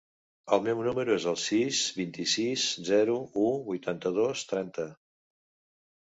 El meu número es el sis, vint-i-sis, zero, u, vuitanta-dos, trenta.